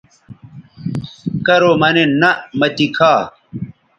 کرو مہ نِن نہ مہ تی کھا